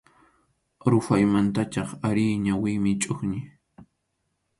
Ruphaymantach ari ñawiymi chʼuqñi.